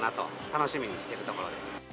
楽しみにしているところです。